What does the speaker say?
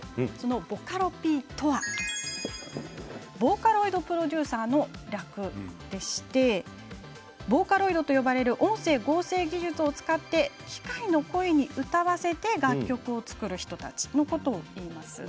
ボカロＰとはボーカロイドプロデューサーの略でしてボーカロイドと呼ばれる音声合成技術を使って機械の声に歌わせて楽曲を作る人たちのことをいいます。